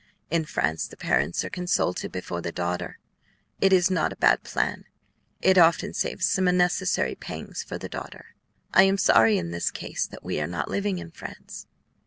In France the parents are consulted before the daughter; it is not a bad plan. It often saves some unnecessary pangs for the daughter. I am sorry in this case that we are not living in France."